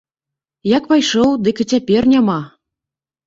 Як пайшоў, дык і цяпер няма.